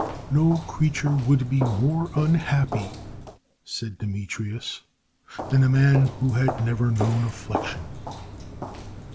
"No creature would be more unhappy," said Demetrius, "than a man who had never known affliction."